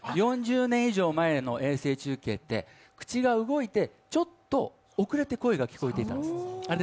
４０年以上前の衛星中継って口が動いてちょっと送れて声が聞こえてきたんです。